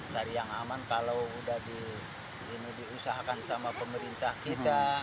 cari yang aman kalau udah diusahakan sama pemerintah kita